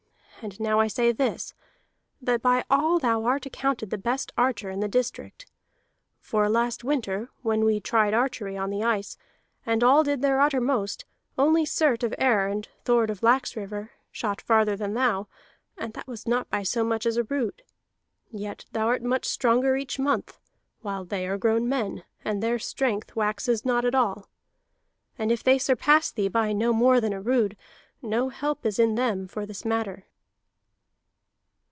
And now I say this, that by all thou art accounted the best archer in the district. For last winter, when we tried archery on the ice, and all did their uttermost, only Surt of Ere and Thord of Laxriver shot farther than thou, and that by not so much as a rood. Yet thou art much stronger each month, while they are grown men, and their strength waxes not at all. And if they surpass thee by no more than a rood, no help is in them for this matter."